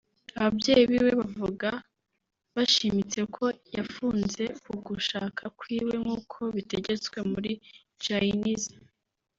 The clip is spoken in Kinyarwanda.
Ababyeyi biwe bavuga bashimitse ko yapfunze kugushaka kwiwe nk’uko bitegetswe muri Jainism